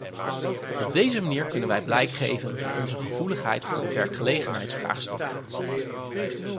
Op deze manier kunnen wij blijk geven van onze gevoeligheid voor de werkgelegenheidsvraagstukken.